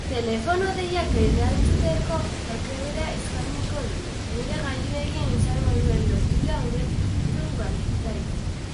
Telefono-deiak erantzuteko aukera eskainiko du, gure gailuekin izango duen lotura hobetu baitzaio.